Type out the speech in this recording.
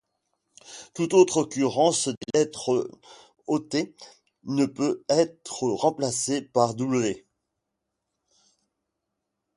Toute autre occurrence des lettres от ne peut être remplacée par ѿ.